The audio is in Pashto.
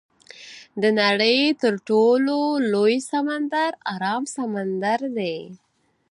د نړۍ تر ټولو لوی سمندر ارام سمندر دی.